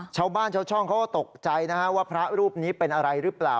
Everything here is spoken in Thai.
ชาวบ้านชาวช่องเขาก็ตกใจนะฮะว่าพระรูปนี้เป็นอะไรหรือเปล่า